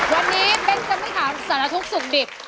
วันนี้เบ้นจะไม่ถามสารทุกข์สุขดิบ